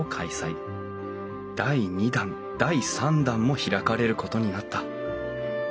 第２弾第３弾も開かれることになった。